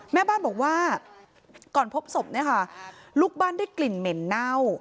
แม่บ้านบอกว่าก่อนพบศพเนี่ยค่ะลูกบ้านได้กลิ่นเหม็นเน่า